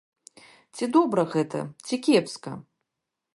Ці добра гэта, ці кепска?